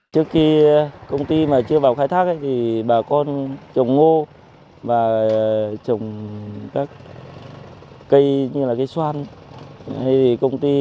trước khi công ty mà chưa vào khai thác thì bà con trồng ngô và trồng các cây như là cây xoan